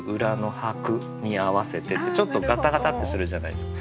「に合わせて」ってちょっとガタガタってするじゃないですか。